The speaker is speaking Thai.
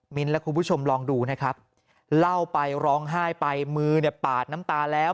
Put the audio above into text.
และคุณผู้ชมลองดูนะครับเล่าไปร้องไห้ไปมือเนี่ยปาดน้ำตาแล้ว